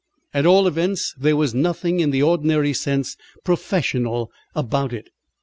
At all events, there was nothing in the ordinary sense "professional" about it.